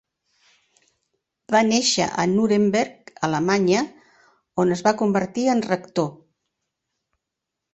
Va néixer a Nuremberg, Alemanya, on es va convertir en rector.